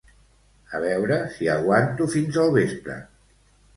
A veure si aguanto fins el vespre